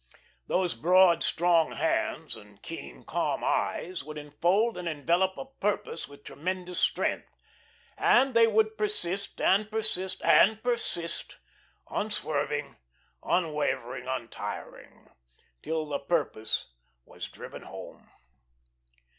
Those broad, strong hands, and keen, calm eyes would enfold and envelop a Purpose with tremendous strength, and they would persist and persist and persist, unswerving, unwavering, untiring, till the Purpose was driven home.